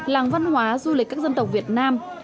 làng văn hóa du lịch các dân tộc việt nam